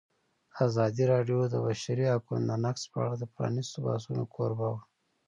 ازادي راډیو د د بشري حقونو نقض په اړه د پرانیستو بحثونو کوربه وه.